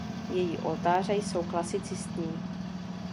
Její oltáře jsou klasicistní.